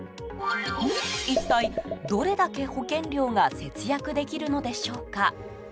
一体、どれだけ保険料が節約できるのでしょうか。